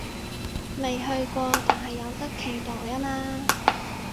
未去過，但係有得期待吖嘛